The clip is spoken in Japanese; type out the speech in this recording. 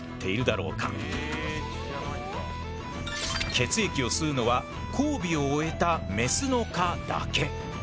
血液を吸うのは交尾を終えたメスの蚊だけ。